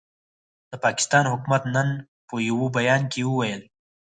د پاکستان حکومت نن په یوه بیان کې وویل،